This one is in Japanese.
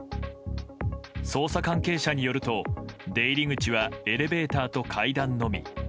捜査関係者によると出入り口はエレベーターと階段のみ。